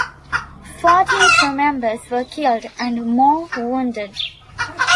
Fourteen crew members were killed and more wounded.